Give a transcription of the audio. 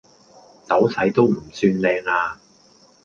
走勢都唔算靚呀